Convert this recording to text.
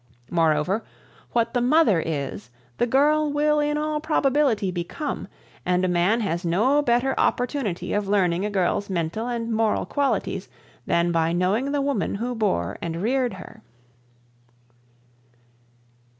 Moreover, what the mother is the girl will in all probability become, and a man has no better opportunity of learning a girl's mental and moral qualities than by knowing the woman who bore and reared her.